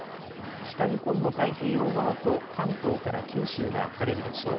北日本の太平洋側と関東から九州は晴れるでしょう。